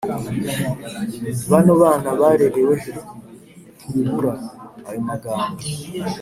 «bano bana barerewe he » ntibura ; ayo magambo